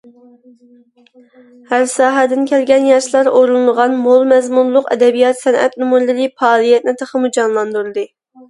ھەر ساھەدىن كەلگەن ياشلار ئورۇنلىغان مول مەزمۇنلۇق ئەدەبىيات- سەنئەت نومۇرلىرى پائالىيەتنى تېخىمۇ جانلاندۇردى.